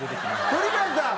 鳥飼さん